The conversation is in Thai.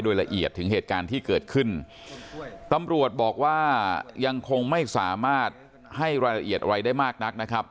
โดยละเอียดถึงเหตุการณ์ที่เกิดขึ้นตำรวจบอกว่ายังคงไม่สามารถให้รายละเอียดอะไรได้มากนักนะครับ